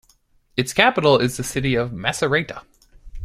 Its capital is the city of Macerata.